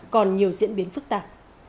còn nhiều diễn biến phức tạp